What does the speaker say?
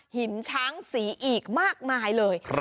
หินช้างสีอีกมากมายเลย